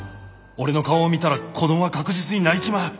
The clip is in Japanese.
俺の顔を見たら子どもは確実に泣いちまう。